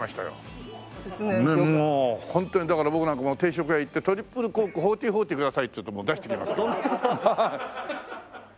もうホントにだから僕なんか定食屋行って「トリプルコーク１４４０ください」っつうともう出してきますから。